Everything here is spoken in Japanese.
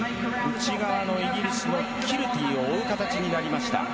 内側のイギリスのキルティを追う形になりました。